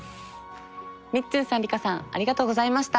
みっつんさんリカさんありがとうございました。